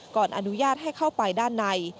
อนุญาตให้เข้าไปด้านใน